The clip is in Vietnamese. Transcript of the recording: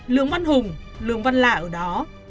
lương văn hùng lương văn lạ ở đó